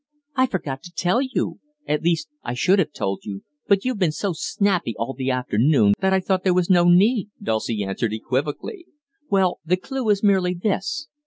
"I forgot to tell you; at least, I should have told you, but you've been so snappy all the afternoon that I thought there was no need," Dulcie answered equivocally. "Well, the clue is merely this.